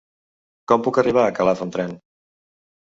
Com puc arribar a Calaf amb tren?